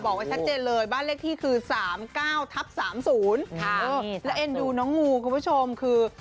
บอกไว้ชัดเจนเลยบ้านเลขที่คือสามเก้าทับสามศูนย์ค่ะนี่สามศูนย์และเอ็นดูน้องงูคุณผู้ชมคือ